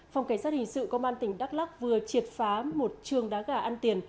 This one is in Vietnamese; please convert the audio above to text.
phòng cảnh sát hình sự công an tỉnh đắk lắc vừa triệt phá một trường đá gà ăn tiền